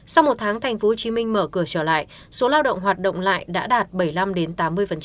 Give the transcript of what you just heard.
sau một tháng tp hcm mở cửa trở lại số lao động hoạt động lại đã đạt bảy mươi năm tám mươi